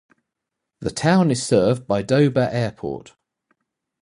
The town is served by Doba Airport.